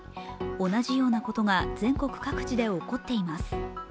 同じようなことが全国各地で起こっています。